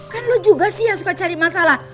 kan lo juga sih yang suka cari masalah